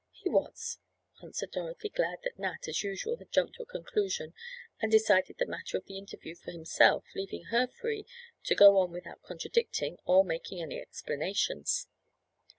"He was," answered Dorothy, glad that Nat, as usual, had jumped to a conclusion and decided the matter of the interview for himself, leaving her free to go on without contradicting or making any explanations.